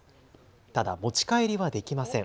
ただ持ち帰りはできません。